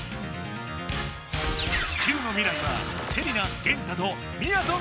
地球の未来はセリナゲンタとみやぞん